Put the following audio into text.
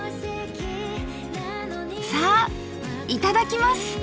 さあいただきます！